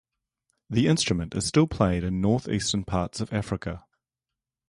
The instrument is still played in north-eastern parts of Africa.